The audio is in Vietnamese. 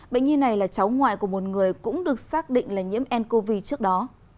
bệnh nhi này là cháu ngoại của một người cũng được xác định là nhiễm ncov trước đó